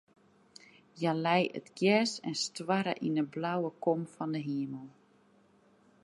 Hja lei yn it gjers en stoarre yn de blauwe kom fan de himel.